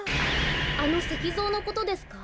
あのせきぞうのことですか？